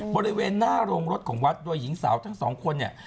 บริเวณหน้าโรงรถของวัดโดยหญิงสาวทั้งสองคนเนี่ย